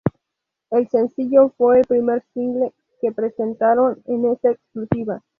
El sencillo fue el primer single que presentaron en esta exclusiva.